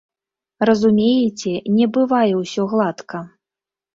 Разумееце, не бывае ўсё гладка.